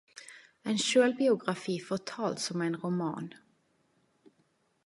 Ein sjølvbiografi fortald som ein roman.